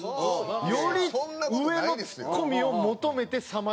より上のツッコミを求めてさまよう。